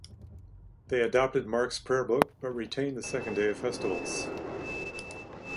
They adopted Marks' prayerbook, but retained the second day of festivals.